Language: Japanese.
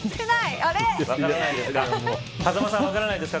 分からないですか。